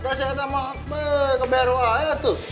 udah saya sama be keberuah ya tuh